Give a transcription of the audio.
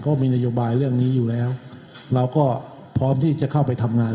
ก็มีนโยบายเรื่องนี้อยู่แล้วเราก็พร้อมที่จะเข้าไปทำงาน